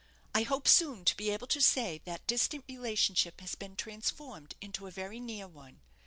I hope soon to be able to say that distant relationship has been transformed into a very near one.